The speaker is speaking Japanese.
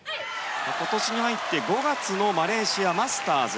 今年に入って５月のマレーシアマスターズ